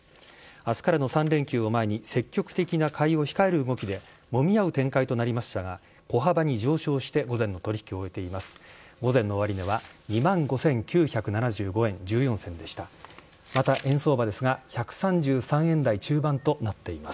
明日からの３連休を前に積極的な買いを控える動きでもみ合う展開となりましたが小幅に上昇して午前の取引を終えています。